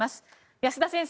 保田先生